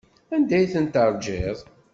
Anda ay ten-teṛjiḍ?